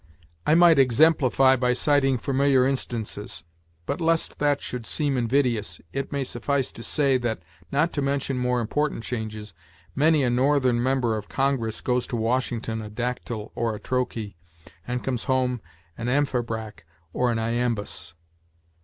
I might exemplify by citing familiar instances; but, lest that should seem invidious, it may suffice to say that, not to mention more important changes, many a Northern member of Congress goes to Washington a dactyl or a trochee, and comes home an amphibrach or an iambus.